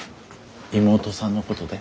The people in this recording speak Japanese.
妹さんのことで？